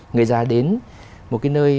người già đến một cái nơi